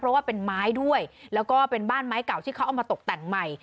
เพราะว่าเป็นไม้ด้วยแล้วก็เป็นบ้านไม้เก่าที่เขาเอามาตกแต่งใหม่